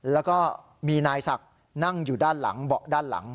แล้วก็มีนายศักดิ์นั่งอยู่ด้านหลังเบาะด้านหลัง